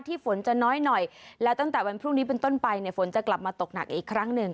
ฝนจะน้อยหน่อยและตั้งแต่วันพรุ่งนี้เป็นต้นไปเนี่ยฝนจะกลับมาตกหนักอีกครั้งหนึ่ง